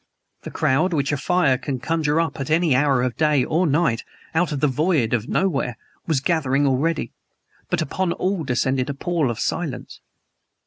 The crowd which a fire can conjure up at any hour of day or night, out of the void of nowhere, was gathering already. But upon all descended a pall of silence.